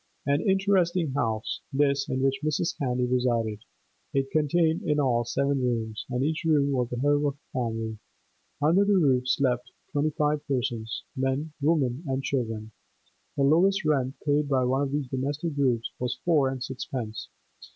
An interesting house, this in which Mrs. Candy resided. It contained in all seven rooms, and each room was the home of a family; under the roof slept twenty five persons, men, women, and children; the lowest rent paid by one of these domestic groups was four and sixpence.